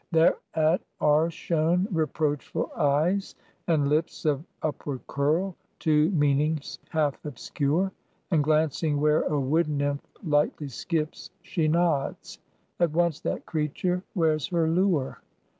Thereat are shown reproachful eyes, and lips Of upward curl to meanings half obscure; And glancing where a wood nymph lightly skips She nods: at once that creature wears her lure.